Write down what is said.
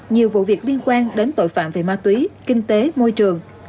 nhiều vụ việc liên quan đến tội phạm về ma túy kinh tế môi trường